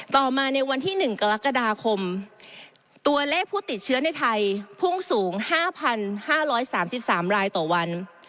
ต่อมาในวันที่๑กรกฎาคมตัวเลขผู้ติดเชื้อในไทยพุ่งสูง๕๕๓๓รายต่อวัน